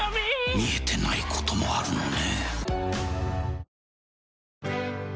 見えてないこともあるのね。